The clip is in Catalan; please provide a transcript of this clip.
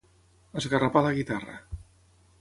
Esgarrapar la guitarra.